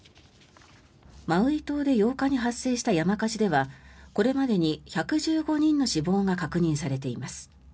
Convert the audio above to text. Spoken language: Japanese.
マウイ島で８日に発生した山火事ではこれまでに１１５人の死亡が確認されています。